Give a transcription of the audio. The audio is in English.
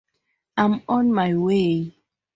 I'm on my way.